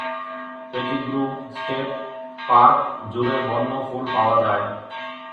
Pettigrew State Park জুড়ে বন্য ফুল পাওয়া যায়।